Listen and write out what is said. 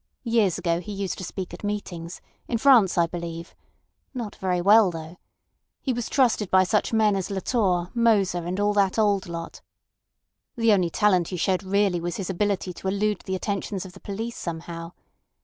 Years ago he used to speak at meetings—in France, I believe. Not very well, though. He was trusted by such men as Latorre, Moser and all that old lot. The only talent he showed really was his ability to elude the attentions of the police somehow.